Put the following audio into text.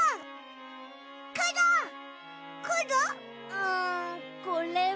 うんこれは。